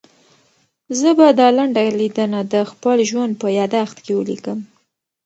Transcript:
زه به دا لنډه لیدنه د خپل ژوند په یادښت کې ولیکم.